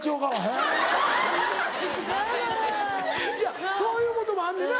・ヤダ・いやそういうこともあんねな。